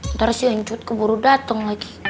ntar si yancut keburu dateng lagi